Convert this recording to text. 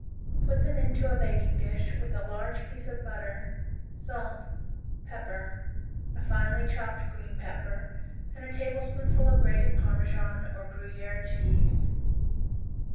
Put them into a baking dish with a large piece of butter, salt, pepper, a finely chopped green pepper and a tablespoonful of grated Parmesan or Gruyere cheese.